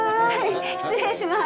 失礼します。